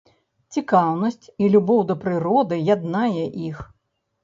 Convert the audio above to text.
Цікаўнасць і любоў да прыроды яднае іх.